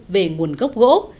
về nguồn gốc gỗ